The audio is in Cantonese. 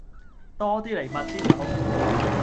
多啲嚟密啲手